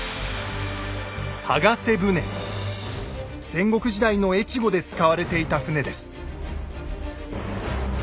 戦国時代の越後で使われていた船です。